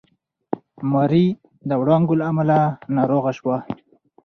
ماري د وړانګو له امله ناروغه شوه.